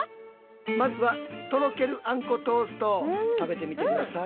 まずはとろけるあんこトースト食べてみて下さい。